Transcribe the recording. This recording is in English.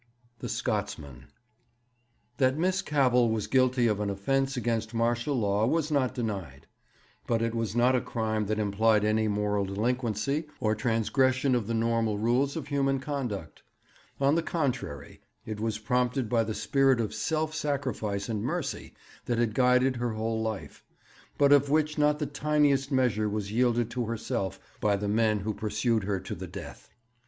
The Scotsman. 'That Miss Cavell was guilty of an offence against martial law was not denied. But it was not a crime that implied any moral delinquency or transgression of the normal rules of human conduct. On the contrary, it was prompted by the spirit of self sacrifice and mercy that had guided her whole life, but of which not the tiniest measure was yielded to herself by the men who pursued her to the death.